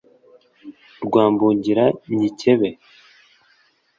Rwa Mbungira nyikebe!